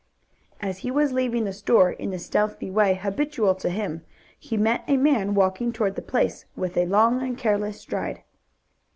As he was leaving the store in the stealthy way habitual to him, he met a man walking toward the place with a long and careless stride.